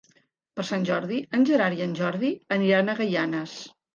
Per Sant Jordi en Gerard i en Jordi aniran a Gaianes.